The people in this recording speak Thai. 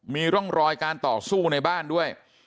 มีร่องรอยการต่อสู้ในบ้านด้วย